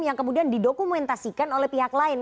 yang kemudian didokumentasikan oleh pihak lain